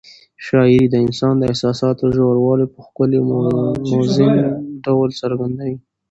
شاعري د انسان د احساساتو ژوروالی په ښکلي او موزون ډول څرګندوي.